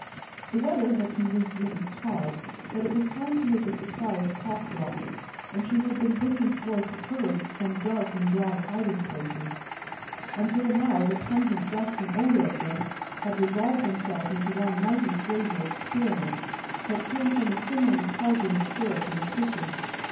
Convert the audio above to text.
The weather had convinced Mrs. Todd that it was time to make a supply of cough drops, and she had been bringing forth herbs from dark and dry hiding places, until now the pungent dust and odor of them had resolved themselves into one mighty flavor of spearmint that came from a simmering caldron of syrup in the kitchen.